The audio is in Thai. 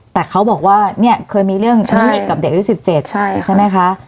แต่เขาบอกว่าเนี่ยเคยมีเรื่องหนี้กับเด็กอายุ๑๗ใช่ไหมคะ